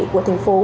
của thành phố